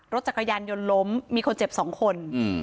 รถจักรยานยนต์ล้มมีคนเจ็บ๒คน